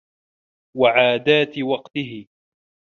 وَعَادَاتِ وَقْتِهِ